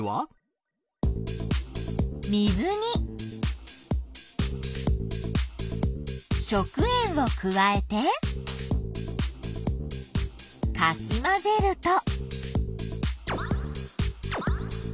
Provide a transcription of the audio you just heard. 水に食塩を加えてかき混ぜると。